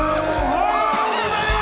おはようございます！